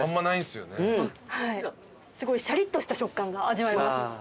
すごいシャリッとした食感が味わえます。